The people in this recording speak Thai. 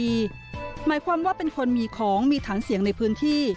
หมายความว่าเป็นคนมีของมีถังเสียงในพื้นที่